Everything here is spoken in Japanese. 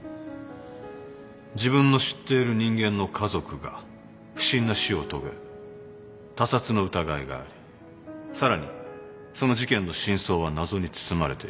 自分の知っている人間の家族が不審な死を遂げ他殺の疑いがありさらにその事件の真相は謎に包まれている。